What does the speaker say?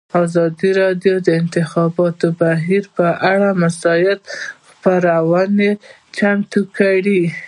ازادي راډیو د د انتخاباتو بهیر پر اړه مستند خپرونه چمتو کړې.